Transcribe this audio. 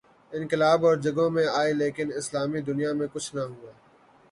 انقلاب اور جگہوں میں آئے لیکن اسلامی دنیا میں کچھ نہ ہوا۔